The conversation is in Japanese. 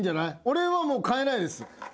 俺はもう変えないです。